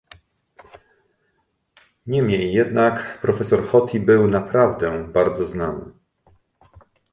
Niemniej jednak profesor Hoti był naprawdę bardzo znany